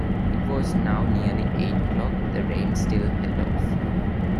It was now nearly eight o'clock; the rain still held off.